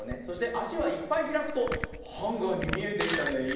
そしてあしはいっぱいひらくとハンガーにみえてきたね。